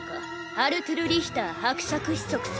アルトゥル・リヒター伯爵子息様。